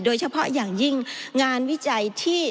โดยเฉพาะอย่างยิ่งงานวิจัยที่